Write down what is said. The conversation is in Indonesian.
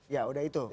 ya udah itu